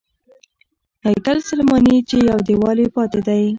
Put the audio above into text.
هیکل سلیماني چې یو دیوال یې پاتې دی.